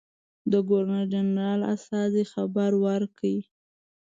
د ګورنرجنرال استازي خبر ورکړ.